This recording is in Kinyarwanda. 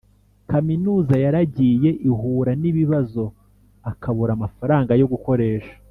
kaminuza yaragiye ihura n'ibibazo akabura amafaranga yo gukoresha